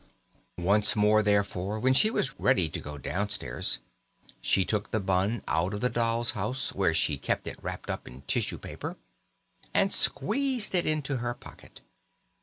Once more, therefore, when she was ready to go downstairs, she took the bun out of the dolls' house, where she kept it wrapped up in tissue paper, and squeezed it into her pocket.